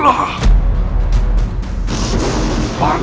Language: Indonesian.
apakah pada akhirnya